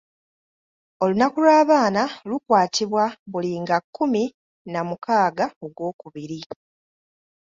Olunaku lw’abaana lukwatibwa buli nga kkumi na mukaaga ogwokubiri.